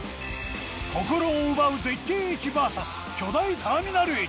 心を奪う絶景駅 ＶＳ 巨大ターミナル駅